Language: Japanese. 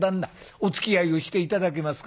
おつきあいをして頂けますか。